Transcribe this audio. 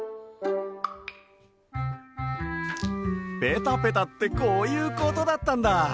ペタペタってこういうことだったんだ！